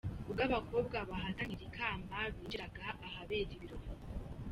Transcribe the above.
Ubwo abakobwa bahatanira ikamba binjiraga ahabera ibirori.